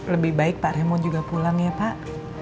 lebih baik pak remo juga pulang ya pak